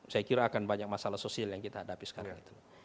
saya kira akan banyak masalah sosial yang kita hadapi sekarang itu